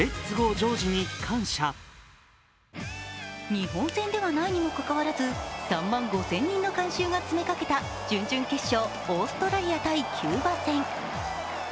日本戦ではないにもかかわらず、３万５０００人の観衆が詰めかけた準々決勝、オーストラリア×キューバ戦。